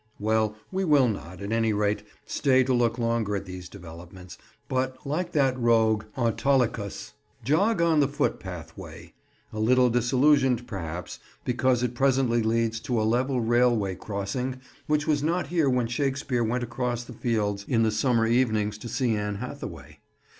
Well, we will not, at any rate, stay to look longer at these developments, but, like that rogue, Autolycus, "jog on the footpath way," a little disillusioned perhaps, because it presently leads to a level railway crossing which was not here when Shakespeare went across the fields in the summer evenings to see Anne Hathaway.